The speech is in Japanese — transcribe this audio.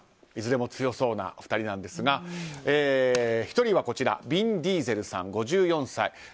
いずれも強そうな２人なんですが１人はヴィン・ディーゼルさん５４歳。